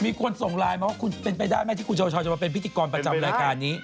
มีคนส่งไลน์มาว่าคุณเป็นไปได้ไหมที่คุณชาวจะมาเป็นพิธีกรประจำรายการนี้